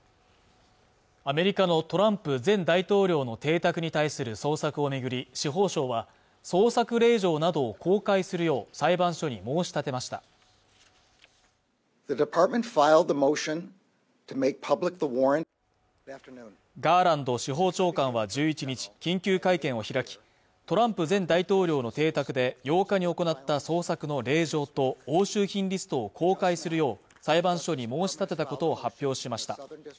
アメリカのトランプ前大統領の邸宅に対する捜索をめぐり司法省は捜索令状などを公開するよう裁判所に申し立てましたガーランド司法長官は１１日緊急会見を開きトランプ前大統領の邸宅で８日に行った捜索の令状と押収品リストを公開するよう裁判所に申し立てたことを発表しました